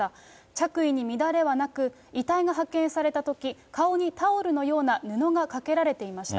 着衣に乱れはなく、遺体が発見されたとき、顔にタオルのような布がかけられていました。